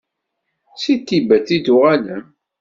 Seg Tibet i d-tuɣalem?